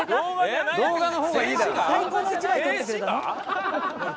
最高の１枚撮ってくれたの？